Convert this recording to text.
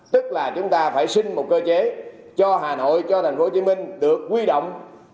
tức là chúng ta phải xin một cơ chế cho hà nội cho tp hcm được quy động